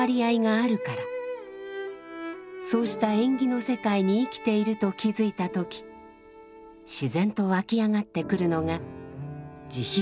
そうした縁起の世界に生きていると気づいた時自然と湧き上がってくるのが慈悲です。